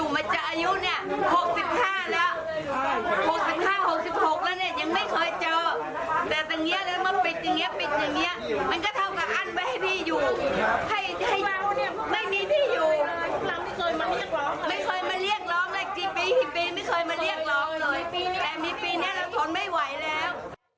ไม่ไหวแล้ว